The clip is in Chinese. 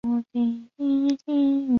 由其子朱诚澜承袭永兴郡王。